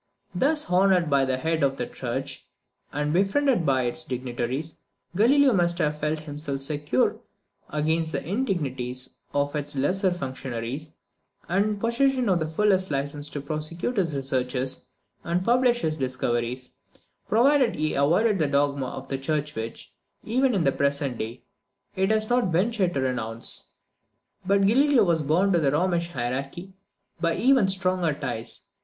Thus honoured by the head of the church, and befriended by its dignitaries, Galileo must have felt himself secure against the indignities of its lesser functionaries, and in the possession of the fullest license to prosecute his researches and publish his discoveries, provided he avoided that dogma of the church which, even in the present day, it has not ventured to renounce. But Galileo was bound to the Romish hierarchy by even stronger ties.